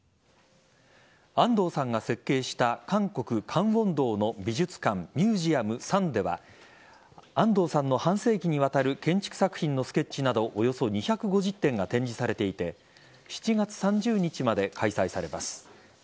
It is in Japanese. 安藤さんが設計した韓国・カンウォンドの美術館ミュージアムＳＡＮでは安藤さんの半世紀にわたる建築作品のスケッチなどおよそ２５０点が展示されていて７月３０日まで開催されます。